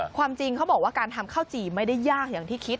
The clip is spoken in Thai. ความจริงเขาบอกว่าการทำข้าวจี่ไม่ได้ยากอย่างที่คิด